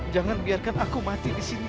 jangan biarkan aku mati di sini